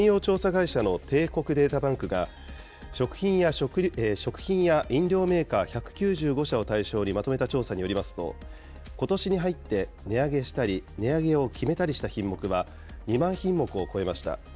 会社の帝国データバンクが、食品や飲料メーカー１９５社を対象にまとめた調査によりますと、ことしに入って値上げしたり、値上げを決めたりした品目は２万品目を超えました。